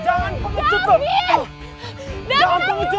jangan terwujud kalau mau saingan secara sportif